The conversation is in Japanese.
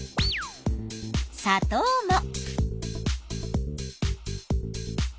さとうも。